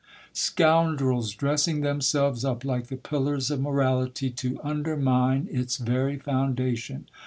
Scoundrels dressing them selves up like the pillars of morality to undermine its very foundation